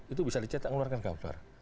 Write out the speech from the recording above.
itu bisa dicetak mengeluarkan gambar